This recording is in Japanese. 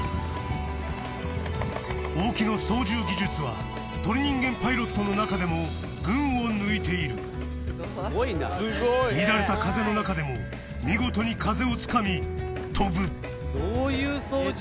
大木の操縦技術は鳥人間パイロットの中でも群を抜いている乱れた風の中でも見事に風を掴み飛ぶどういう操縦？